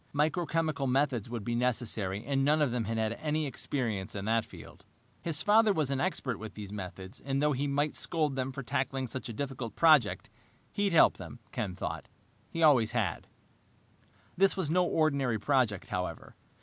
Microchemical methods would be necessary, and none of them had had any experience in that field. His father was an expert with these methods and though he might scold them for tackling such a difficult project, he'd help them, Ken thought. He always had. This was no ordinary project, however.